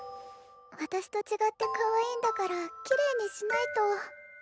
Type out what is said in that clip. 私と違ってかわいいんだからきれいにしないと。